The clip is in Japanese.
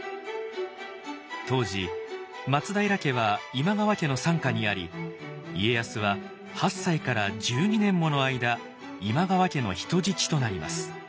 当時松平家は今川家の傘下にあり家康は８歳から１２年もの間今川家の人質となります。